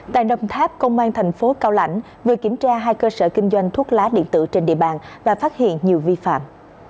tại đồng tháp công an thành phố cao lãnh vừa kiểm tra hai cơ sở kinh doanh thuốc lá điện tử trên địa bàn và phát hiện nhiều vi phạm